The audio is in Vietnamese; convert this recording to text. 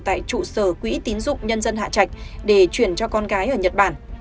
tại trụ sở quỹ tín dụng nhân dân hạ trạch để chuyển cho con gái ở nhật bản